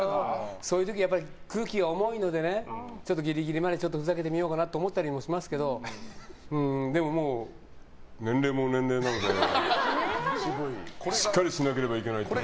そういう時は空気が重いのでちょっとギリギリまでふざけてみようかなと思ったりしますけどでも、もう、年齢も年齢なのでしっかりしないといけないと思って。